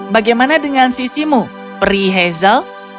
bagaimana dengan sisimu pri hazel